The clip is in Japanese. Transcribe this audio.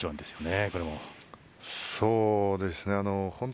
そうですね。